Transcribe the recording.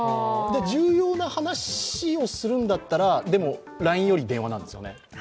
重要な話をするんだったら、でもＬＩＮＥより電話なんですよね？